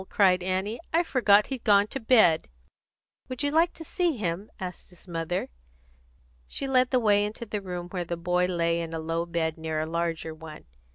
cried Annie. "I forgot he'd gone to bed." "Would you like to see him?" asked his mother. She led the way into the room where the boy lay in a low bed near a larger one.